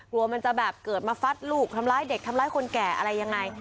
กลัวมันจะแบบเกิดมาฟัดลูกทำร้ายเด็กทำร้ายคนแก่อะไรยังไง